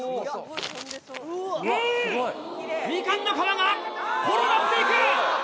みかんの皮が転がっていく！